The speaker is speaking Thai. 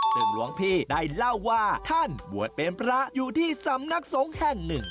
ซึ่งหลวงพี่ได้เล่าว่าท่านบวชเป็นพระอยู่ที่สำนักสงฆ์แห่งหนึ่ง